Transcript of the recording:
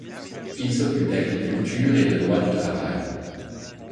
Il s'occupe d'agriculture et de droit du travail.